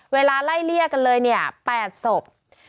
เวลาไล่เลี่ยกันเลยเนี่ย๘ศพ